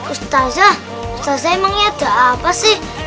ustazah ustazah emangnya ada apa sih